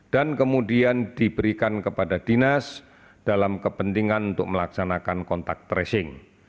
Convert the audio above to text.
dan kemudian diberikan kepada dinas dalam kepentingan untuk melaksanakan kontak tracing